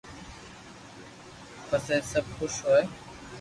پسي سب خوݾ ھوئي